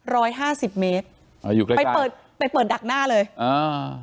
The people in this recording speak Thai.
ร้อยห้าสิบเมตรอ่าอยู่ใกล้ไปเปิดไปเปิดดักหน้าเลยอ่า